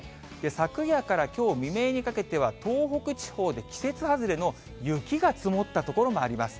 昨夜からきょう未明にかけては、東北地方で季節外れの雪が積もった所もあります。